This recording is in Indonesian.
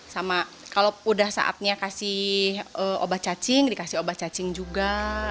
sama kalau udah saatnya kasih obat cacing dikasih obat cacing juga